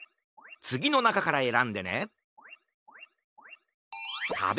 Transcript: つぎのなかからえらんでね！